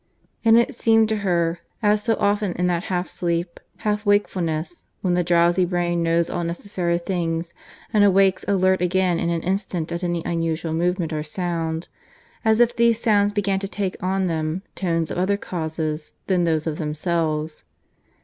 And it seemed to her, as so often in that half sleep, half wakefulness, when the drowsy brain knows all necessary things and awakes alert again in an instant at any unusual movement or sound, as if these sounds began to take on them tones of other causes than those of themselves.